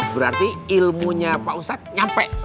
berarti ilmunya pak ustadz nyampe